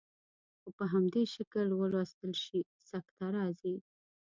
خو په همدې شکل ولوستل شي سکته راځي.